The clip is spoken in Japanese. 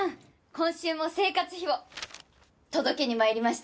今週も生活費を届けに参りました！